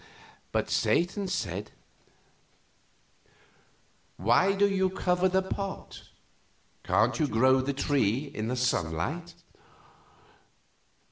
But Satan said: "Why do you cover the pot? Can't you grow the tree in the sunlight?"